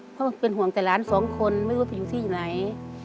เพราะมันเป็นห่วงแต่หลานสองคนไม่รู้ไปอยู่ที่ไหน